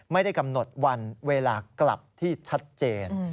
ไม่ได้กำหนดวันเวลากลับที่ชัดเจน